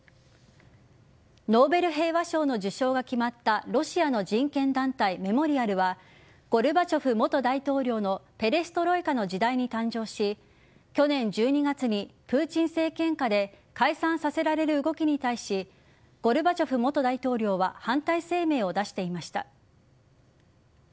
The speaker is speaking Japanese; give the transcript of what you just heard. ノーベル平和賞の受賞が決まったロシアの人権団体メモリアルはゴルバチョフ元大統領のペレストロイカの時代に誕生し去年１２月にプーチン政権下で解散させられる動きに対しゴルバチョフ元大統領は反対声明を出していました。